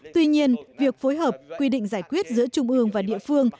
tuy nhiên việc phối hợp quy định giải quyết giữa trung ương và địa phương